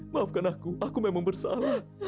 maafkan aku aku memang bersalah